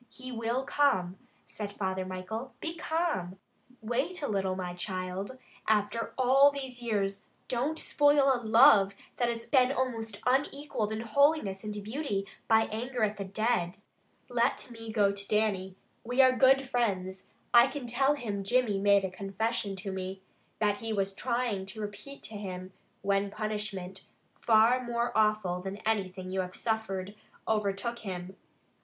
"He will come," said Father Michael. "Be calm! Wait a little, my child. After all these years, don't spoil a love that has been almost unequaled in holiness and beauty, by anger at the dead. Let me go to Dannie. We are good friends. I can tell him Jimmy made a confession to me, that he was trying to repeat to him, when punishment, far more awful than anything you have suffered, overtook him.